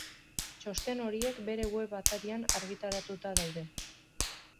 Txosten horiek bere web atarian argitaratuta daude.